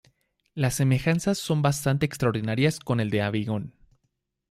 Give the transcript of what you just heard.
Las semejanzas son bastante extraordinarias con el de Avignon.